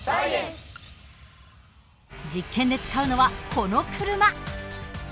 実験で使うのはこの車。